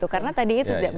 karena tadi itu